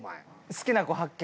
好きな子発見。